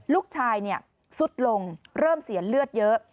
ลูกชายสุดลงเริ่มเสียเลือดเยอะ